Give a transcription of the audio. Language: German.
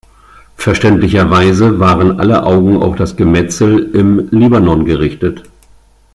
Verständlicherweise waren alle Augen auf das Gemetzel im Libanon gerichtet.